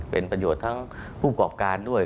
เป็นประโยชน์ทั้งผู้ประกอบการด้วย